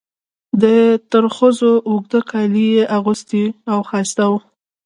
د ترخزو اوږده کالي یې اغوستل او ښایسته وو.